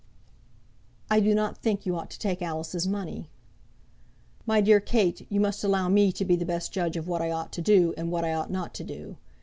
"I do not think you ought to take Alice's money." "My dear Kate, you must allow me to be the best judge of what I ought to do, and what I ought not to do.